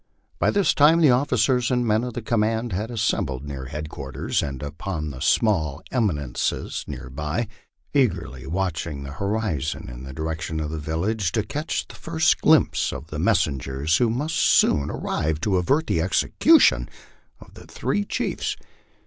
By this time the of ficers and men of the command had assembled near headquarters, and upon the small eminences near by, eagerly watching the horizon in the direction of the village, to catch the first glimpse of the messengers who must soon ar rive to avert the execution of the three chiefs.